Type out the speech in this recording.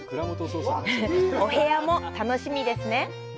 お部屋も楽しみですね。